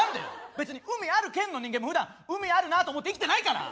別に海ある県の人間もふだん海あるなと思って生きてないから！